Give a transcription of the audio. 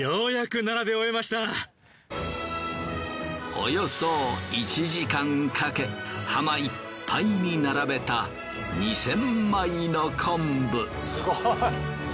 およそ１時間かけ浜いっぱいに並べた２，０００枚の昆布。